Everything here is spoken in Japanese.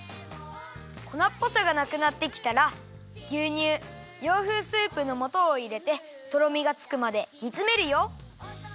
こなっぽさがなくなってきたらぎゅうにゅう洋風スープのもとをいれてとろみがつくまでにつめるよ。